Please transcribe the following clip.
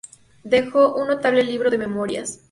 Dejó un notable libro de "Memorias".